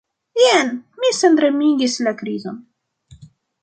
Jen, mi sendramigis la krizon.